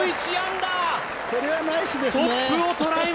これはナイスですね！